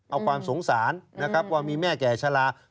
เอาความสงสารว่ามีแม่แก่ชะลา